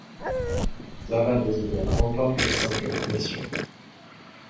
Sláva Doseděl remporte le simple messieurs.